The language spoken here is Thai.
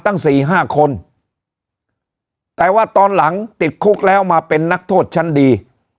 ตั้งสี่ห้าคนแต่ว่าตอนหลังติดคุกแล้วมาเป็นนักโทษชั้นดี